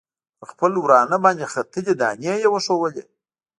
پر خپل ورانه باندې ختلي دانې یې وښودلې.